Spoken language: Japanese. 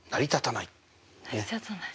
「成りたたない！」。